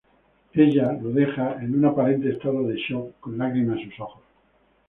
Ella lo deja en un aparente estado de shock con lágrimas en sus ojos.